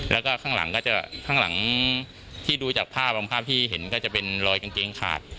แล้วก็ข้างหลังก็จะข้างหลังที่ดูจากภาพบางภาพที่เห็นก็จะเป็นรอยกางเกงขาด